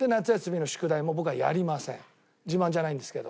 自慢じゃないんですけど。